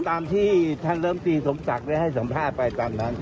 ตามที่ท่านเริ่มตีสมศักดิ์ได้ให้สัมภาษณ์ไปตอนนั้น